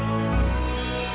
lupa aku bang